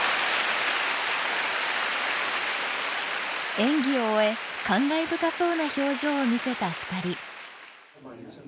演技を終え感慨深そうな表情を見せた２人。